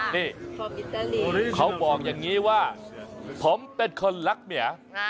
นี่ภาพอิตาเลียนเขาบอกอย่างงี้ว่าผมเป็นคนรักเมียอ่า